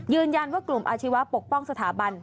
ยืนยันว่ากลุ่มอาชีวะปกป้องสถาบัน